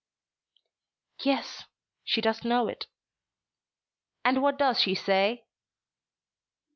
"Yes, she does know it." "And what does she say?"